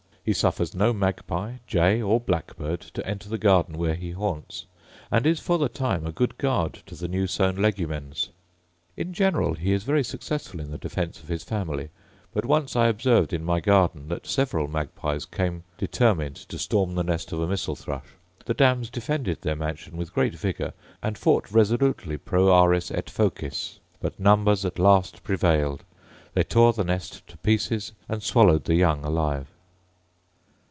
He suffers no magpie, jay, or blackbird, to enter the garden where he haunts; and is, for the time, a good guard to the new sown legumens. In general he is very successful in the defence of his family: but once I observed in my garden, that several magpies came determined to storm the nest of a missel thrush: the dams defended their mansion with great vigour, and fought resolutely pro aris & focis; but numbers at last prevailed, they tore the nest to pieces, and swallowed the young alive.